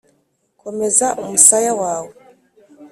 komeza umusaya wawe